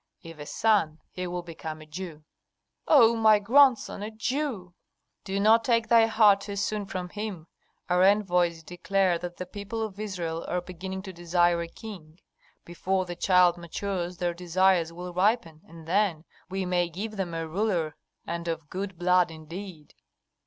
If a son, he will become a Jew " "Oh, my grandson, a Jew!" "Do not take thy heart too soon from him. Our envoys declare that the people of Israel are beginning to desire a king. Before the child matures their desires will ripen, and then we may give them a ruler, and of good blood indeed."